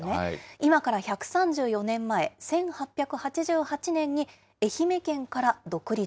今から１３４年前、１８８８年に愛媛県から独立。